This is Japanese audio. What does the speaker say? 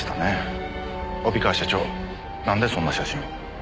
帯川社長なんでそんな写真を。